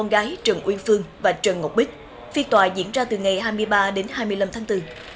gái trần uyên phương và trần ngọc bích việc tòa diễn ra từ ngày hai mươi ba đến hai mươi năm tháng bốn